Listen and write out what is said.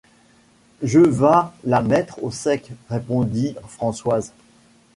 Je vas la mettre au sec, répondit Françoise.